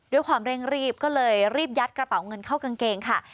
ด้วยความเร่งรีบก็เลยรีบยัดกระเป๋าเงินเข้ากางเกงค่ะ